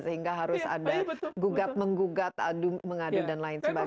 sehingga harus ada gugat menggugat mengadu dan lain sebagainya